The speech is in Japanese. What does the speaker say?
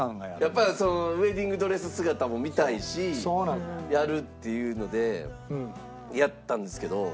やっぱウェディングドレス姿も見たいしやるっていうのでやったんですけど。